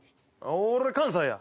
俺関西や。